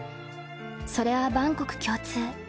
それは万国共通。